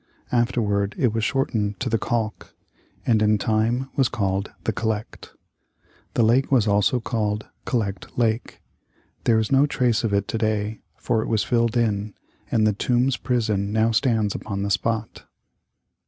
Afterward it was shortened to The Kalch, and in time was called The Collect. The lake was called Collect Lake. There is no trace of it to day, for it was filled in, and the Tombs Prison now stands upon the spot.